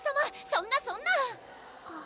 そんなそんな！